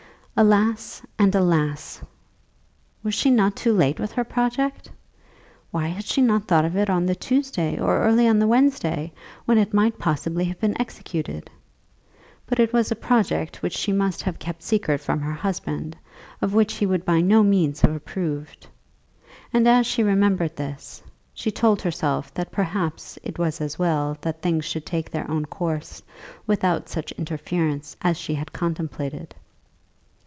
Alas, and alas! Was she not too late with her project? Why had she not thought of it on the Tuesday or early on the Wednesday, when it might possibly have been executed? But it was a project which she must have kept secret from her husband, of which he would by no means have approved; and as she remembered this, she told herself that perhaps it was as well that things should take their own course without such interference as she had contemplated.